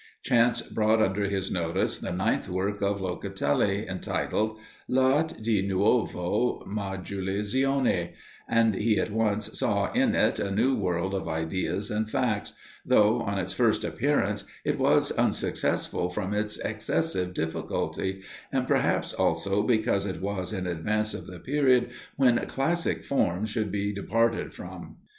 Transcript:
Chance brought under his notice the ninth work of Locatelli, entitled, "l'Arte di Nuova Modulazione," and he at once saw in it a new world of ideas and facts, though, on its first appearance it was unsuccessful from its excessive difficulty, and, perhaps, also, because it was in advance of the period when "classic" forms should be departed from.